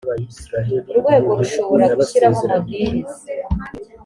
urwego rushobora gushyiraho amabwiriza